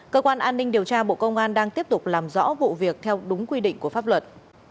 cơ quan an ninh điều tra bộ công an đang tiếp tục làm rõ vụ việc theo đúng quy định của pháp luật